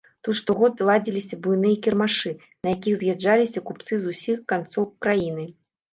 Тут штогод ладзіліся буйныя кірмашы, на якія з'язджаліся купцы з усіх канцоў краіны.